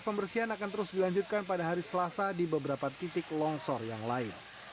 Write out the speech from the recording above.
pembersihan akan terus dilanjutkan pada hari selasa di beberapa titik longsor yang lain